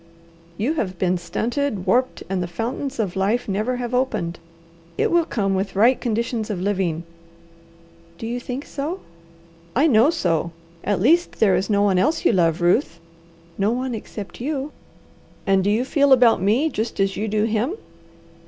"You have been stunted, warped, and the fountains of life never have opened. It will come with right conditions of living." "Do you think so?" "I know so. At least there is no one else you love, Ruth?" "No one except you." "And do you feel about me just as you do him?"